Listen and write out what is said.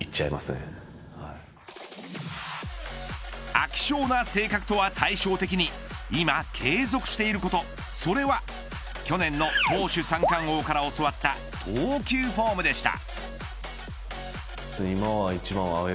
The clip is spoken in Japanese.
飽き性な性格とは対照的に今、継続していることそれは去年の投手三冠王から教わった投球フォームでした。